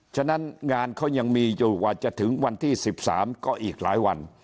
ฉะนั้นงานเขายังมีอยู่กว่าจะถึงวันที่๑๓ก็อีกหลายวัน